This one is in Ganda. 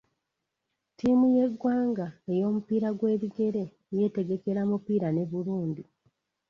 Ttiimu y'eggwanga ey'omupiira gw'ebigere yeetegekera mupiira ne burundi.